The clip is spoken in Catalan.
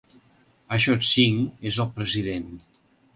Ashok Singh és el president.